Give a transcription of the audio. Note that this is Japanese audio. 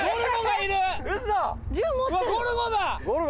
ゴルゴだ！